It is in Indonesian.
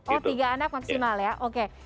oh tiga anak maksimal ya oke